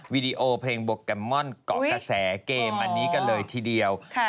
วิดีโอเพลงโบกแกมม่อนก๋อกแสงเกมอันนี้กันเลยทีเดียวค่ะ